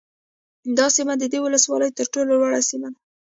دا سیمه د دې ولسوالۍ ترټولو لوړه سیمه ده